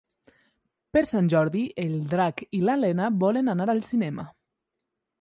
Per Sant Jordi en Drac i na Lena volen anar al cinema.